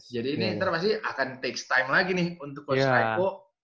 jadi ini nanti pasti akan takes time lagi nih untuk coach rajko